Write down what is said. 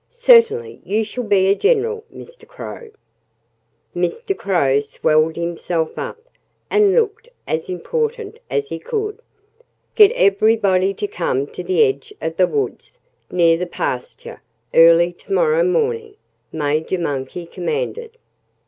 "Certainly you shall be a general, Mr. Crow." Mr. Crow swelled himself up and looked as important as he could. "Get everybody to come to the edge of the woods, near the pasture, early to morrow morning," Major Monkey commanded.